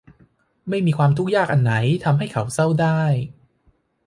ไม่มีความทุกข์ยากอันไหนทำให้เขาเศร้าได้